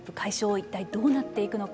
一体どうなっていくのか。